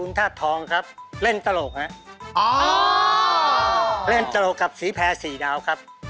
เล่นตลกกับสีแพร่สี่ดาวครับ